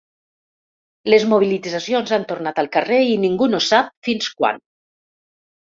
Les mobilitzacions han tornat al carrer i ningú no sap fins quan.